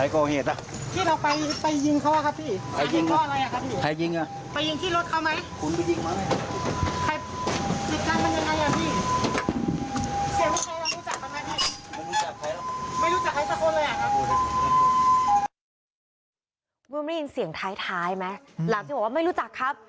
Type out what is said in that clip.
คุณไม่รู้จักครับ